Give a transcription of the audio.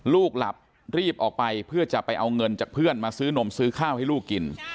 ลูกหลับรีบออกไปเพื่อจะไปเอาเงินจากเพื่อนมาซื้อนมซื้อข้าวให้ลูกกิน